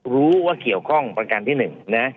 รู้ว่าเกี่ยวข้องประการที่๑นะ